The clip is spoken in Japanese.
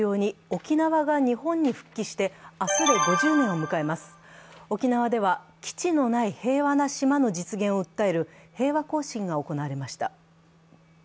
沖縄では基地のない平和な島の実現を訴える平和行進が行われました。